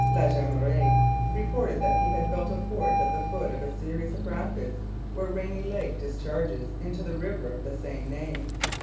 La Jemeraye reported that he had built a fort at the foot of a series of rapids, where Rainy Lake discharges into the river of the same name.